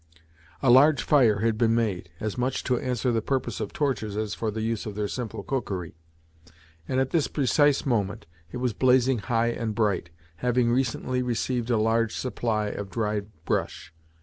A large fire had been made, as much to answer the purpose of torches as for the use of their simple cookery; and at this precise moment it was blazing high and bright, having recently received a large supply of dried brush.